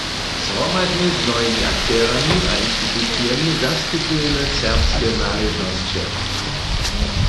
Zhromadnje z mnohimi akterami a institucijemi zastupujemy serbske naležnosće.